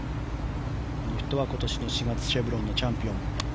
この人は、今年の４月シェブロンのチャンピオン。